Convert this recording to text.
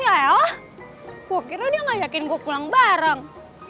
ya allah gue kira dia ngajakin gue pulang bareng